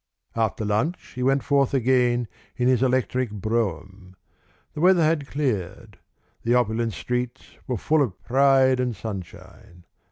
After lunch he went forth again in his electric brougham. The weather had cleared. The opulent streets were full of pride and sunshine.